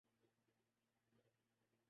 جذباتی حرکتیں عوام الناس پر کیا اثرڈالتی ہیں